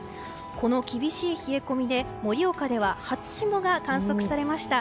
この厳しい冷え込みで盛岡では初霜が観測されました。